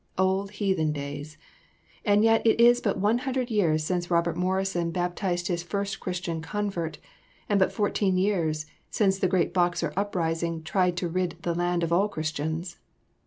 "Old heathen days!" And yet it is but one hundred years since Robert Morrison baptized his first Christian convert, and but fourteen years since the great Boxer uprising tried to rid the land of all Christians.